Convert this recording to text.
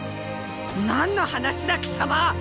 何の話だ貴様っ！